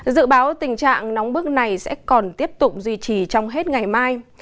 dự báo tình trạng nóng bức này sẽ còn tiếp tục duy trì trong hết ngày mai